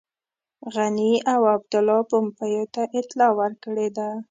غني او عبدالله پومپیو ته اطلاع ورکړې ده.